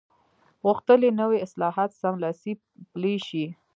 غوښتل یې نوي اصلاحات سملاسي پلي شي.